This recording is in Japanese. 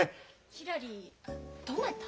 ひらりどなた？